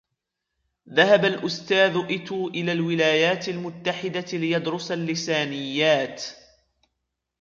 ذهب الأستاذ إتو إلى الولايات المتحدة ليدرس اللسانيات.